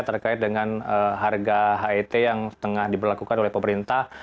terkait dengan harga het yang tengah diberlakukan oleh pemerintah